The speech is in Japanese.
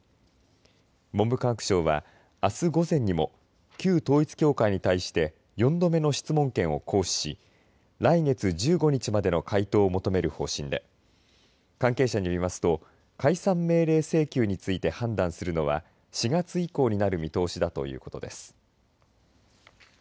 文部科学省は、あす午前にも旧統一教会に対して４度目の質問権を行使し来月１５日までの回答を求める方針で関係者によりますと解散命令請求について判断するのは４月以降になる見通しだということです。